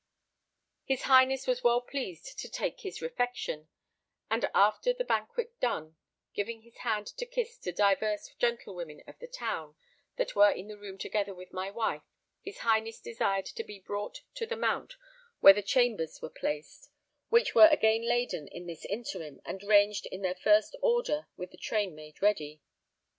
His Highness was well pleased to take his refection, and after the banquet done, giving his hand to kiss to divers gentlewomen of the town that were in the room together with my wife, his Highness desired to be brought to the mount where the chambers were placed, which were again laden in this interim and ranged in their first order with the train made ready.